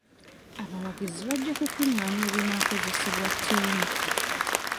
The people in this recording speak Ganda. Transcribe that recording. Abawagizi bajja kukungaanya ebinaakozesebwa ttiimu.